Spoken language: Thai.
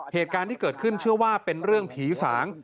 เหตุการณ์ที่เกิดขึ้นเชื่อว่าเป็นเรื่องผีสาง